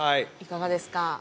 いかがですか？